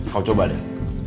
kau coba deh